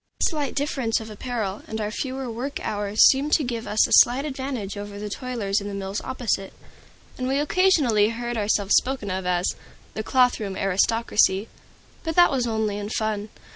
This slight difference of apparel and our fewer work hours seemed to give us a slight advantage over the toilers in the mills opposite, and we occasionally heard ourselves spoken of as "the cloth room aristocracy." But that was only in fun.